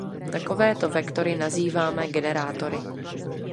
Takovéto vektory nazýváme generátory.